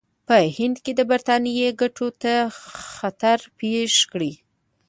په هند کې د برټانیې ګټو ته خطر پېښ کړي.